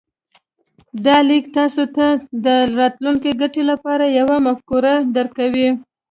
دا ليک تاسې ته د راتلونکې ګټې لپاره يوه مفکوره درکوي.